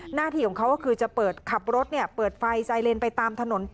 หน้าที่ของเขาก็คือจะเปิดขับรถเปิดไฟไซเลนไปตามถนน